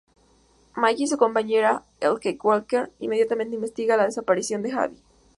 Mike y su compañera, Kelsey Walker, inmediatamente investigan la desaparición de Abby.